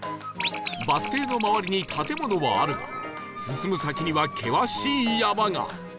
バス停の周りに建物はあるが進む先には険しい山が